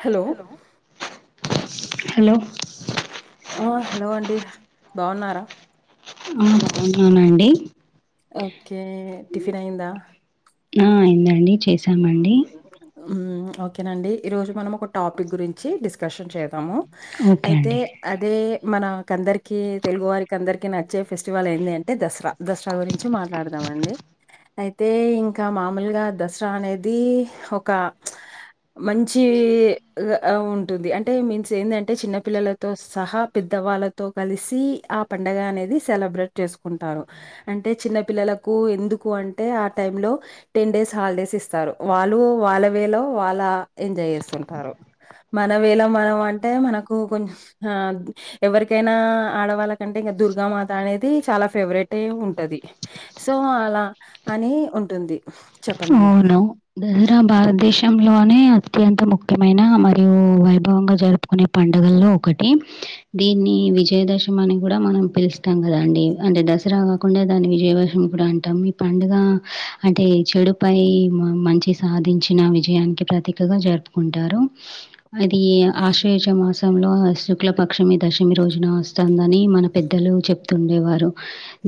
Hello hello ఆ hello అండి బాగున్నారా ఆ బాగున్నాను అండి ఓకే టిఫిన్ అయిందా ఆ అయిందండి చేసామండి ఉమ్ ఓకేనండి ఈరోజు మనం ఒక టాపిక్ గురించి డిస్కషన్ చేద్దాము ఓకే అయితే అండి అదే మనకందరికిీ తెలుగు వారికి అందరికిీ నచ్చే ఫెస్టివల్ ఏంది అంటే దసరా దసరా గురించి మాట్లాడదాం అండి అయితే ఇంకా మామూలుగా దసరా అనేది ఒక మంచి ఉంటుంది అంటే మీన్స్ ఏందంటే చిన్న పిల్లలతో సహా పెద్ద పెద్ద వాళ్ళతో కలిసి ఆ పండగ అనేది సెలబ్రేట్ చేసుకుంటారు అంటే చిన్న పిల్లలకు కు ఎందుకు అంటే ఆ టైమ్ లో టెన్ డేస్ హాలిడేస్ ఇస్తారు వాళ్ళు వాళ్ళ వేలో వాళ్ళ ఎంజాయ్ చేస్తుంటారు మన వేళ మనం అంటే మనకు కొంచ ఎవరికైనా ఆడవాళ్ళకంటే దుర్గామాత అనేది చాలా ఫేవరెట్ ఏ ఉంటది సో అలా అని ఉంటుంది ది చెప్పండి మీరు అవును దసరా భారతదేశంలోనే అత్యంత ముఖ్యమైన మరియు వై భవంగా జరుపుకునే పండుగల్లో ఒకటి దీన్ని విజయదశమి అని కూడా మనం పిలుస్తాం కదా అండి అంటే దసరా కాకుండా దాన్ని విజయ దశమి కూడా అంటాం ఈ పండుగ అంటే చెడు పై పై మా మంచి సాధించిన విజయానికి ప్రతీకగా జరుపుకుంటారు అది ఆశయుజ మాసం లో శుక్ల పక్షమి దశమి రోజున వస్తుందని మన పెద్దలు చెప్తుండేవారు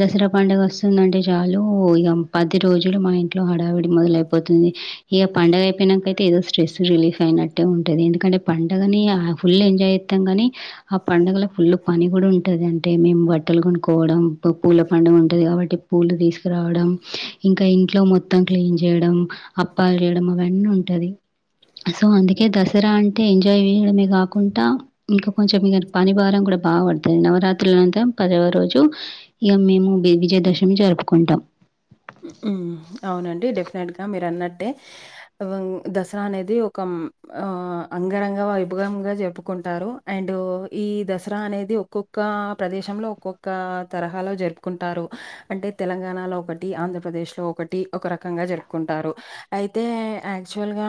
దసరా పండుగ వస్తుందంటే చాలు ఇగ పది రోజులు మా ఇంట్లో హడావిడి మొదలైపోతుంది ఇక పండగ అయిపోయినంక అయితే ఏదో స్ట్రెస్ రిలీఫ్ అయినట్టే ఉంటది ఎందుకంటే పండగని ఫుల్ ఎంజాయ్ అత్తంగాని ఆ పండుగలో ఫుల్ పని కూడా ఉంటది అం అంటే మేము బట్టలు కొనుక్కోవడం పూల పండుగ ఉంటది కాబట్టి పూలు తీసుకురావడం ఇంకా ఇంట్లో మొత్తం క్లీన్ చేయడం అప్ ప్పాలు చేయడం అవన్నీ ఉంటది సో అందుకే దసరా అంటే టే ఎంజాయ్ చేయడమే కాకుండా ఇంకా కొంచెం ఇక పని భారం కూడా బాగా పడుతది నవరాత్రుల అంత పదవ రోజు ఇగ మేము విజయదశమి జరుపుకుంటాం ఊ అవునండి డెఫినెట్గా మీరు అన్నట్టే దసరా అనేది ఒక ఆ అంగరంగ వైభవంగా చెప్పుకుంటారు అండ్ ఈ దసరా అనేది ఒక్కొక్క ఒక్క ప్రదేశంలో ఒక్కొక్క తరహాలో జరుపుకుంటారు అంటే తెలంగాణలో ఒకటి ఆంధ్రప ప్రదేశ్ లో ఒకటి ఒక రకంగా జరుపుకుంటారు అయితే యాక్చువల్ గా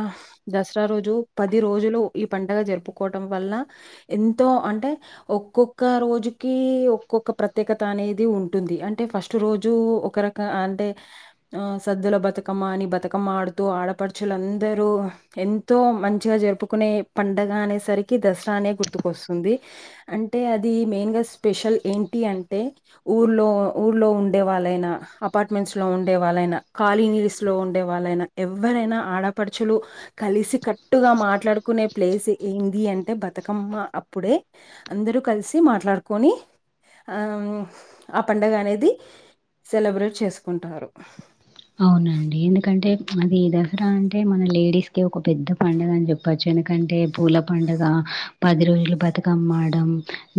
దసరా రోజు పది రోజులు ఈ పండగ జరుపుకోవం వల్ల ఎంతో అంటే ఒక్కొక్క రోజు రోజుకి ఒక్కొక్క ప్రత్యేకత అనేది ఉంటుంది అంటే ఫస్ట్ రోజు ఒక రక అంటే ఆ సద్దుల బతుకమ్మ అని బతుకమ్మ ఆడుతూ ఆడపడుచులు అందరూ ఎంతో మంచిగా జరుపు జరుపుకునే పండగ అనే సరికి దసరా అనే గుర్తుకు వస్తుంది అంటే అది మెయిన్ గా విశల్ ఏంటి అంటే ఊర్లో, ఊర్లో ఉండే వాళ్ళైనా, అపార్ట్మెంట్స్ లో ఉండే వాళ్ళైనా, కాలనీ స్ లో ఉండే వాళ్ళైనా, ఎవ్వరైనా ఆడపడుచులు కలిసి కట్ ట్టుగా మాట్లాడుకునే ప్లేస్ ఏంది, అంటే బతుకమ్మ అప్పుడే. అందరు కలిసి మా మాట్లాడుకోని ఆ పండుగ అనేది, సెలబ్రేట్ చేస్ కుంటారు. అవునండి. ఎందుకంటే అది దసరా అంటే, మన లేడీస్ కి ఒక పెద్ద పండగ అని జెప్పచ్చు. ఎందుకంటే పూల పెద్ద పండగ. పది రోజులు బతుకమ్మడడం,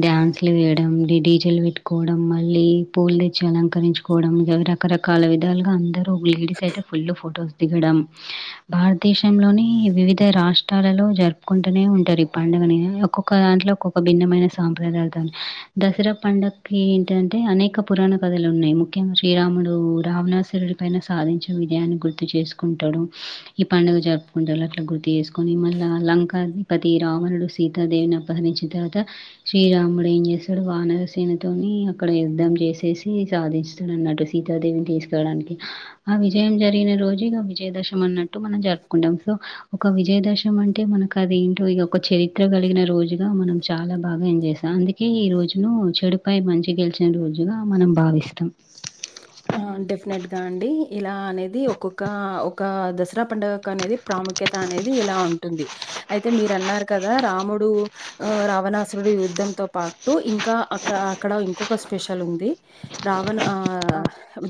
డ్యాన్స్లు వేయడం, ఈ డిజేలు పెట్టుకో పోవడం. మళ్ళీ పూలు దేచ్చి అలంకరించుకోవడం, అవి రకరకాల విధాలుగా అందరు లేడీస్ అయితే, ఫుళ్ళు ఫొటోస్ దిగడం. భారతదేశంలోని వివిధ రాష్ట్రాలలో జరుపుకుంటూనే ఉన్ ఉంటారు ఈ పండుగనీ. ఒక్కొక్క దాంట్లో ఒక్కొక్క భిన్నమైన సాంప్రదాయలతోనీ. దసరా పండగ్కి [unintelligible] అంటే అనేక పురాణ కథలు ఉన్నాయి. ముఖ్యంగా శ్రీరాముడు, రావణాసూరుడి పైన సాధించ్ విజయాన్ని గుర్తు చేసుకుంటాడు. ఈ పండుగ జరుపుకుంటాన్లు, అట్లా గుర్తు జేస్ కొని మళ్ళ, లంకాది పతి రావణుడు, సీతాదేవిని అపహరించిన తర్వాత, శ్రీరాముడు ఏం జేశాడు వానరసేనతోని, ఈ అక్కడ యుద్ధం జేసేసి సాధిస్తాడు అన్నట్టు. సీతాదేవిని తీసుకూరావడానికి. ఆ విజయం జరిగిన రోజు ఇగా, విజయదశమీ అన్నట్టు, మనం జరుపుకుంటాం. సో ఒక విజయదశం అంటే మనం, ఇంకా అదేంటో ఇగా, ఒక చరిత్ర గలిగిన రోజుగా మనం చాలా బాగా ఎంజేసం. అందుకే ఈ రోజును చెడుపై, మంచి గెలిచిన రోజుగా మనం భావిస్తాం. ఆ డెఫినెట్ గా అండి. ఇలా అనేది ఒక్కొక్క ఒక దసరా పండగకు అనేది ప్రాముక్ ఖ్యత అనేది ఇలా ఉంటుంది. అయితే మీర్ అన్నార్ కదా రాముడు, ఆ రావణాసురుడు యు ద్ధం తో పాటు ఇంకా అక్కడ, అక్కడ ఇంకొక స్పెషల్ ఉంది. రా వణ్, ఆ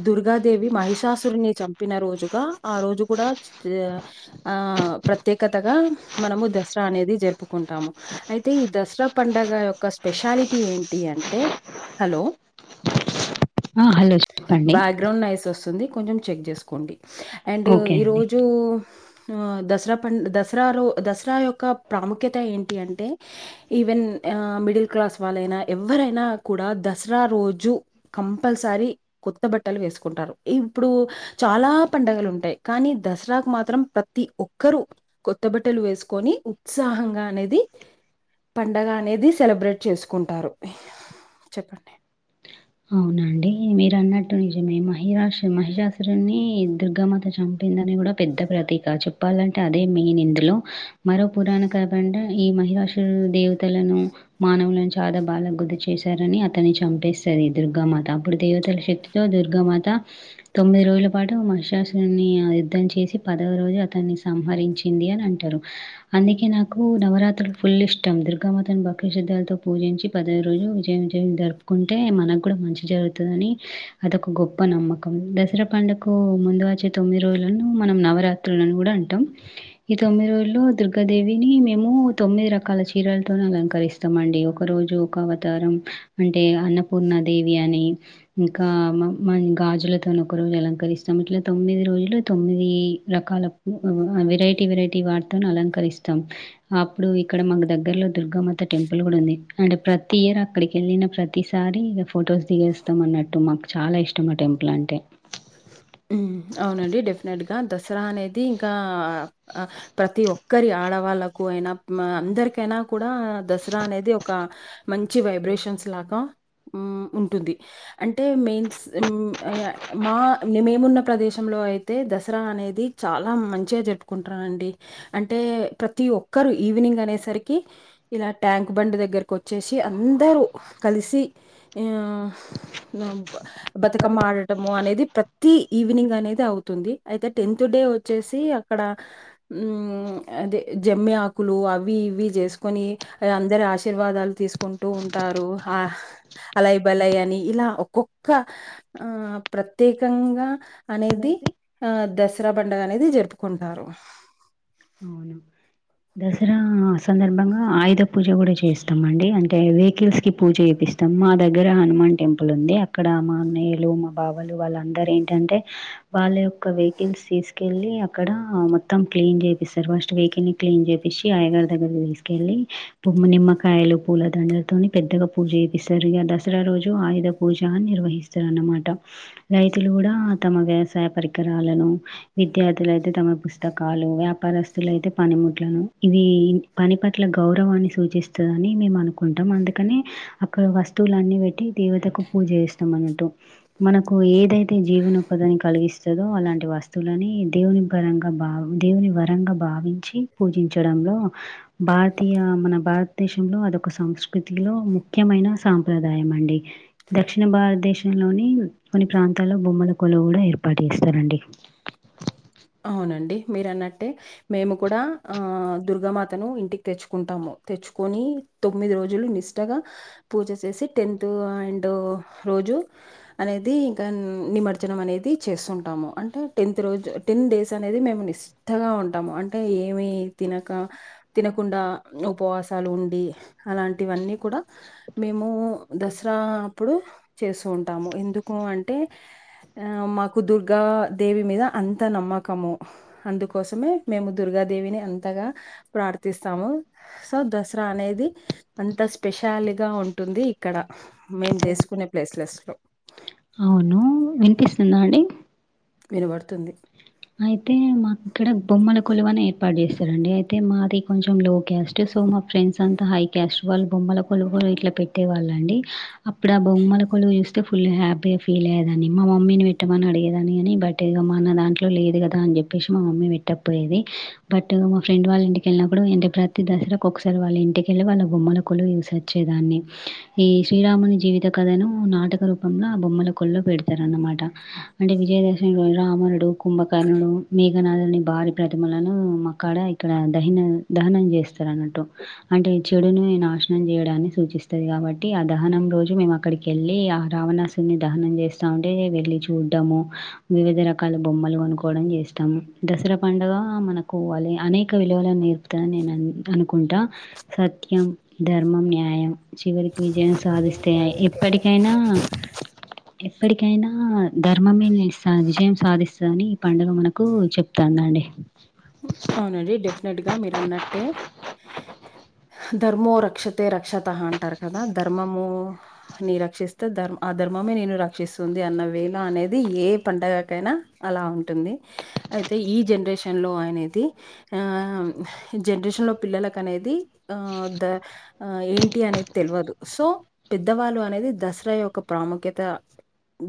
దుర్గాదేవి మహిషాసురిని చంపిన రోజుగా, ఆ రోజు కూడా చ్ ద్, ఆ ప్రత్యేకతగా మనము దసరా అనేది జరుపుకుంటాము. అయితే ఇద్ దసరా పండగ యొక్క, స్పెషాలిటీ ఏంటి అంటే, హలో ఆ! హలో చెప్పండి. బ్యాక్గ్రౌండ్ నైస్ ఓస్తుంది, కొంచెం చెక్ జేసుకోండి. అండ్ ఓకే అండి. ఈరోజు, ఉ దసరా పన్డ్, దసరా రో, దసరా యొక్క ప్రాముఖ్యత ఏంటి అంటే, ఈవెన్ ఆ మిడిల్ క్లాస్ వాళ్ళైనా, ఎవ్వరైనా కూడా దసరా రోజు, కంపల్సరీ కొత్త బట్టలు వేసుకుంటారు. ఇప్పుడు చాలా పండగలు ఉంటాయి. కానీ దసరాకు మాత్రం, ప్రతి ఒక్కరు కొత్త బట్టలు వేసుకొని, ఉత్సాహంగా అనేది పండగ అనేది సెలబ్రేట్ చేసుకుంటారు. చెప్పండి అవునండి. ఈ [unintelligible] మహిషాసురున్ని, దుర్గామాత చంపిందని కూడా పెద్ద ప్రతీక. చెప్పాలంటే అదే మీ, యిన్ ఇందులో. మరో పురాణ కథ పండ, ఈ మహిరాషుడు, దేవతలను, మానవులను చాలా బాధకు గురీ చేశారని, అతన్ని చంపేస ది ఈ దుర్గామాత. అప్పుడు దేవతల శక్తితో దుర్గామాత్, తా. తొమ్మిది రోజుల పాటు మహిషాసురున్నీ, యుద్ధం చేసి పదవ రోజు అతన్ని సంహరించి, ఇంది అని అంటారు. అందుకే నాకు నవరాత్రులు ఫుల్ ఇష్టం. దుర్గామాతని భక్తిశుద్ధాలతో పూజ పూజించి, పదవ రోజు విజయ, విజయం జరుపుకుంటే, మనక్ గుడా మంచి జరుగుతదని అదొక గొప్, ప్ప నమ్మకం. దసరా పండుకు ముందు వచ్చే తొమ్మిది రోజులను, మనం నవరాత్రులను కూడా అంటాం. ఈ తొమ్మిది రోజులు దుర్గాదేవిని మేము తొమ్మిది రకాల చీరలతోనీ అలంకరిస్తామండి. ఒక్ ఒక రోజు ఒక అవతారం. అంటే అన్నపూర్ణా దేవి అని, ఇంకా మనమ్ గాజులతోనీ ఒక రోజు అలంకరిస్తాం. ఇట్లా తొమ్మిది రోజులు తొమ్మిది రకాల పూ ఆ వేరైటీ, వేరైటీ వాటితోని అలంకరిస్తాం. అప్పుడు ఇక్కడ మాకు దగ్గర్లో దుర్గామాత టెంపుల్ కూడా ఉన్, ది. అంటే ప్రతి ఇయర్ అక్కడికి ఎళ్ళిన ప్రతిసారి, ఇగా ఫొటోస్ దిగేస్తాం అన్నట్టు. మాకు చాలా ఇష్ టం, టెంపుల్ అంటే. కా దసరా అనేది ఇంకా, ఆ ప్రతి ఒక్కరి ఆడవాళ్ళలకు అయినా, మా అందరి కైనా కూడా, దసరా అనేది ఒక మంచి వైబ్రేషన్స్ లాగా ఉమ్ ఉంటుంది. ది. అంటే మిన్స్ మా మేమున్న ప్రదేశంలో అయితే దసరా అనేది చాలా మంచిగా జ ప్పుకుంట అంటే ప్రతి ఒక్కరు ఈవినింగ్ అనేసరికి ఇలా ట్యాంక్ బం దగ్గరికు వచ్చేసి అందరుూ కలిసి ఆ బతుకమ్ ఆడటము అనేది ప్రతి ఈవినింగ్ అనేది అవుతుంది అయితే టెన్త్ డే వచ్చేసి అక్కడ అదే జమ్మి ఆకులు అవి ఇవి చేసుకొని అందరు ఆశీర్వాదాలు తీసుకుంటూ ఉంటారు ఆ అలై బలై్ అని ఇలా ఒక్కొక్క ఆ ప్రత్యేకంగా అనేది ఆ దసరా బంండగ అనేది జరుపుకుంటారు అవును దసరా సందర్భంగా ఆయుధ పూజ కూడా చేస్తామ అండి అంటే వెహికల్స్ కి పూజ అపి ఇస్తాం మా దగ్గర హనుమాన్ టెంపుల్ ఉంది అక్కడ మా అన్నయ్యలు మా బావలు వాళ్ళందర ఏంటంటే వాళ్ళ యొక్క వెహికల్స్ తీసుకెళ్ళి అక్కడ మొత్తం క్లీన్ చే స్త ఫస్ట్ వెిక క్లీన్ చేసి ఆయగారి దగ్గర తీసుకెళ్ళలి నిమ్మ కాయలు పూల దండలు తోని పెద్దగా పూజ చేపిస్తారు ఇక దసరా రోజు ఆయుధ పూజ నిర్వహిస్తారు అన్నమాట రైతులు కూడా తమ వ్యవసాయ పరికరాలను విద్యార్థులు అయితే తమ పుస్తకాలు పరస్తులు అయితే పనిముట్లను ఇవి పని పట్ల గౌరవాన్ని సూచిస్తుందని మేము అనుకుంటాం అందుకని అక్కడ వస్తువులు అన్ని పెట్టి దేవతకు పూజ చేస్తాం అన్నట్టు మనకు ఏ ఏదైతే జీవనోపాధిని కలిగిస్తుందో అలాంటి వస్తువులని దేవుని పరంగా బా దేవుని రంగా భావించి పూజించడంలో భారతీయ మన భారత దేశంలో అదొక సంస్కృతిలో ముఖ్యమైన సా సాప్రదాయం అండి దక్షిణ భారతదేశంలోని కొన్ని ప్రాంతాల్లో బొమ్మల కొలువు కూడా ఏర్పాటు చే ఇస్తారంండి అవునండి మీరున్నట్టే మేము కూడా దుర్గామాతను ఇంటికి తెచ్చుకుంటాము తెచ్చుకొని తొమ్మిది రోజులు నిష్టగా పూజ చేసి టెన్త్ అండ్ రోజు అ అది ఇంకా నిమజ్జనం అనేది చేస్తుంటాము అంటే టెన్త్ రోజు టెన్ డేస్ అనేది మేము నిష్టగా ఉంటాము అంటే ఏమి తినక తినకుండా ఉపవాసాలు ఉండి అలాంటివన్నీ కూడా మేము దసరా అప్పుడు చేస్తుూ ఉంటాము ఎందుకు అంటే ఆ మాకు దుర్గా దేవి మీద అంత అంత నమ్మకము అందుకోసమే మేము దుర్గాదేవిని అంతగా ప్రార్థిస్తాము సో దసరా అనేది అంత స్పెషాలిగా ఉంటుంది ఇక్కడ మేము చేసుకున్న ప్లేస్ లిస్ట్ లో అవును వినిపిస్తుందా అండి వినబడుతుంది అయితే మా ఇక్కడ బొమ్మల కొలువని ఏర్పాటు చేస్తారండి అయితే మాది కొంచెం లో గ్యాస్ట్ సో మా ఫ్రెండ్స్ అంతా హై కస్ట్ వాళ్ళు బొమ్మల కొలులు ఇట్లా పెట్టేవాళ్ళ అండి అప్పుడు ఆ బొమ్మ ళ్ళ చూస్తే ఫుల్ హ్యాపీగా ఫీల్ అయ్యదాని మా మమ్మీని పెట్టమని అడిగేదా అని బట్మాన్న దాంలో లేదు కదా అని చెప్పేసి మా మమ్మీ పెట్టపోయేది బట్ మా ఫ్రెండ్ వాళ్ళ ఇంటికెళ్ళినప్పుడు అంటే ప్రతి ద ర ఒకక్కసారి వాళ్ళ ఇంటికిెళ్ళి వాళ్ళ బొమ్మల కొలు యూసిొచ్చే దాన్ని ఈ శ్రీరాముని జీవిత కథను నాటక రూపంలో ఆ బొమ్మల కొళ్ళల్లో పెడతారన్నమాట అంటే విజయదశమి రోజు రామునుడు కుంభకర్ణుడు మే నాథుని భార ప్రతిమలను మాక్కడ ఇక్కడ దహ దహనం చేస్తారు అన్నట్టు అంటే ఈ చెడును నాశనం చేయడాన్ని సూచిస్తుది కాబట్టి ఆ దహనం రోజు మేము అక్కడికి వెళ్ళి ఆ రావణా ని దహనం చేస్తా ఉంటే వెళ్ళి చూడము వివిధ రకాల బొమ్మలు కొనుక్కవడం చేస్తాం దసరా పండుగ మనకు పోవ్వాలి అనేక విలువలు నరు నేను అనుకుంటా సత్యం ధర్మం న్యాయం చివరికి విజయం ఏం సాధిస్తే ఎప్పటికైనా సాధిస్తేనే ఎప్పటికైనా ధర్మమే విజయం సాధిస్త అని ఈ పండుగ మనకు చెప్తానుండి అవునండి డెఫినెట్ గా మీరున్నట్టే ధర్మో రక్షతే రక్షతః అంటారు కదా ధర్మము ని రక్షిస్తే ధర్మ అద ధర్మమ నిన్ను రక్షిస్తుంది అన్న వే ళో అనేది ఏ పంటగకైనా అలా ఉంటుంది అ అయితే ఈ జనరేషన్ లో అనేది ఆ జనరేషన్ లో పిల్లలకు అనేది ఆ ద ఏంటి అనేది తెల్వదు సో పెద్దవాళ్ళు అనేది దసరా యొక్క ప్రా ముక్యత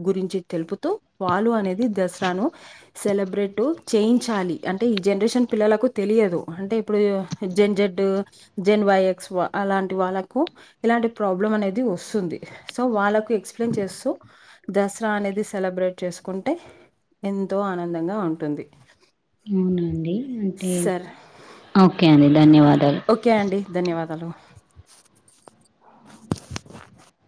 గురించి తెలుపుతూ వాళు అనేది దసరాను సెలబ్రేటు చేయించాలి అ అంటే ఈ జనరేషన్ పిల్లలకు తెలియదు అంటే ఇప్పుడు జం జడ్ జెన్ బై ఎక్స్వా అలాంటి వాళ్ళకు ఇలాంటి ప్రాబ్లం అనేది వస్తుంది సో వాళ్ళకు ఎక్స్ ఎక్సప్లైన్ చేస్తూ దసరా అనేది సెలబ్రేట్ చేసుకుంటే ఎంతో ఆనందంగా ఉంటుంది. అవునండి, అంటే సర్ ఓకే అండి ధన్యవాదా ఓకే అండి ధన్యవాదాలు.